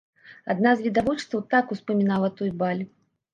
Адна з відавочцаў так успамінала той баль.